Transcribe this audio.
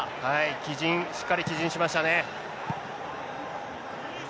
帰陣、しっかり帰陣しましたね。